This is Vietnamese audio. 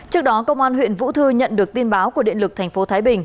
trước đó công an huyện vũ thư nhận được tin báo của điện lực tp thái bình